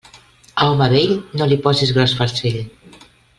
A home vell no li posis gros farcell.